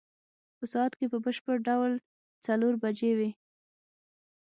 په ساعت کې په بشپړ ډول څلور بجې وې.